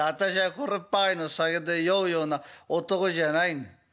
これっぱかりの酒で酔うような男じゃないんだねっ。